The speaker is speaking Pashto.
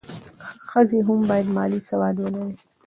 ښځې هم باید مالي سواد ولري.